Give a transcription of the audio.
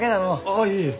ああいえ。